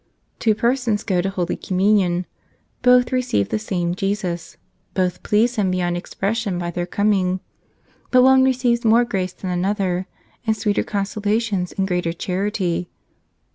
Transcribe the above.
Two persons go to Holy Communion. Both receive the same Jesus ; both please Him beyond expression by their coming. But one receives more grace than another, and sweeter consolations, and greater charity.